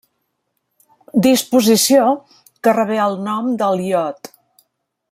Disposició que rebé el nom del iot.